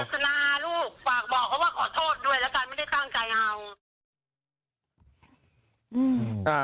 มันเป็นเจตนาลูกฝากบอกว่าขอโทษด้วยแล้วก็ไม่ได้ตั้งใจเอา